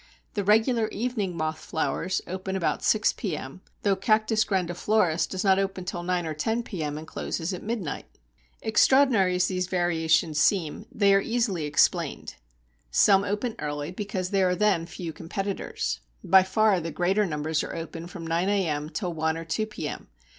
The regular evening moth flowers open about six p.m., though Cactus grandiflorus does not open till nine or ten p.m., and closes at midnight. Extraordinary as these variations seem, they are easily explained. Some open early because there are then few competitors. By far the greater number are open from nine a.m. till one or two p.m.